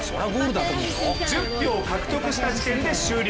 １０票獲得した時点で終了。